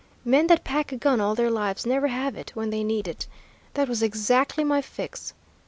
Men that pack a gun all their lives never have it when they need it; that was exactly my fix.